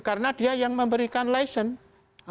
karena dia yang memberikan license